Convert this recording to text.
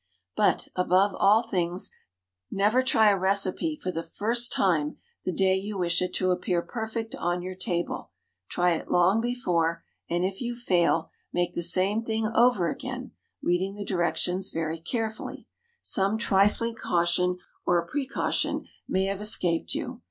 But, above all things, never try a recipe for the first time the day you wish it to appear perfect on your table; try it long before, and if you fail, make the same thing over again, reading the directions very carefully; some trifling caution or precaution may have escaped you.